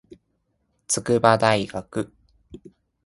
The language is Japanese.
筑波大学